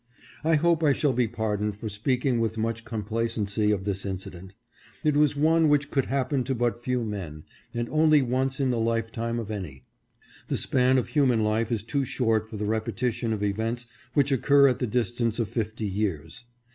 I hope I shall be pardoned for speaking with much complacency of this incident. It was one which could happen to but few men, and only once in the life time of any. The span of human life is too short for the repetition of events which occur at the distance of fifty years.